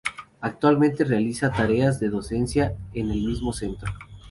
Actualmente realiza tareas de docencia en el mismo centro.